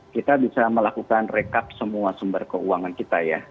kita bisa melakukan rekap semua sumber keuangan kita ya